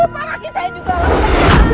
pak kaki saya juga lantai